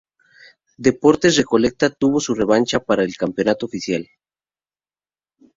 Deportes Recoleta tuvo su revancha para el campeonato oficial.